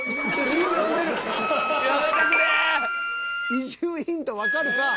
移住ヒントわかるか！